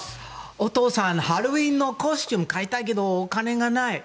お父さんハロウィーンのコスチューム買いたいけどお金がない。